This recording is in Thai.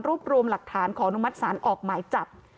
รวมรวมหลักฐานขออนุมัติศาลออกหมายจับ